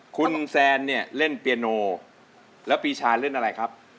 คุณแซนเนี่ยเล่นเปียโนแล้วปีชาเล่นอะไรครับ